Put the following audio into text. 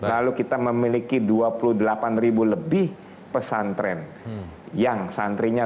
lalu kita memiliki dua puluh delapan ribu lebih pesantren yang santrinya